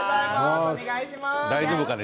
大丈夫かね？